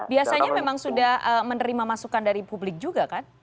biasanya memang sudah menerima masukan dari publik juga kan